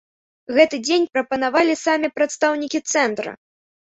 Гэты дзень прапанавалі самі прадстаўнікі цэнтра.